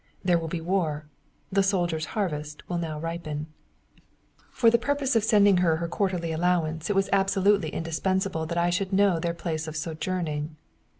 There will be war. The soldier's harvest will now ripen. For the purpose of sending her her quarterly allowance it was absolutely indispensable that I should know their place of sojourning.